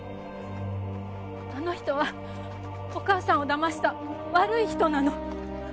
あの人はお母さんを騙した悪い人なの。